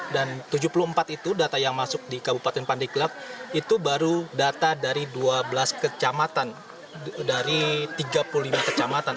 dan tujuh puluh empat itu data yang masuk di kabupaten pandeglang itu baru data dari dua belas kecamatan dari tiga puluh lima kecamatan